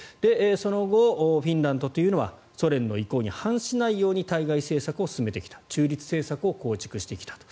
その後、フィンランドというのはソ連の意向に反しないように対外政策を進めてきた中立政策を構築してきたと。